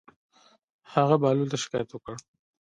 هغه بهلول ته شکايت وکړ.